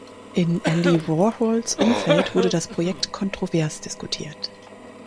In Andy Warhols Umfeld wurde das Projekt kontrovers diskutiert.